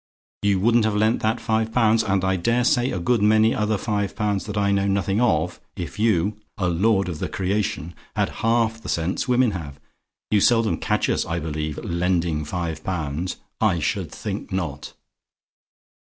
You wouldn't have lent that five pounds and I dare say a good many other five pounds that I know nothing of if you a lord of the creation! had half the sense women have. You seldom catch us, I believe, lending five pounds. I should think not.